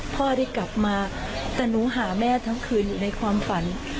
พ่อได้กลับมาแต่หนูหาแม่ทั้งคืนอยู่ในความฝัน